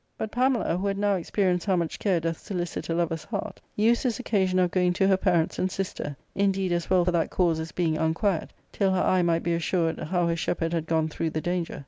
But Pamela — who had now experienced how much care doth solicit a lover's heart — used this occa sion of going to her parents and sister, indeed as well for that cause as being unquiet till her eye might be assured how her shepherd had gone through the danger.